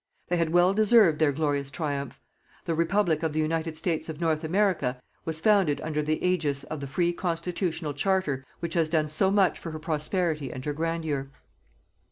They had well deserved their glorious triumph. The Republic of the United States of North America was founded under the ægis of the free constitutional Charter which has done so much for her prosperity and her grandeur.